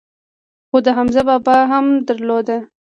خو ده حمزه بابا هم درلود.